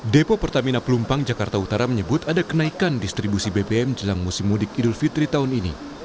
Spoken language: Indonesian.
depo pertamina pelumpang jakarta utara menyebut ada kenaikan distribusi bbm jelang musim mudik idul fitri tahun ini